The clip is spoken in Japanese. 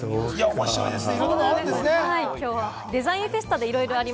面白いですね。